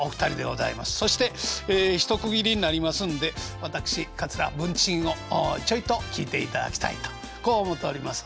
そして一区切りになりますんで私桂文珍をちょいと聴いていただきたいとこう思うとります。